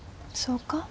そうか？